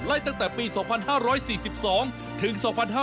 ตั้งแต่ปี๒๕๔๒ถึง๒๕๕๙